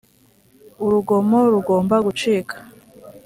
urugomo rugomba gucika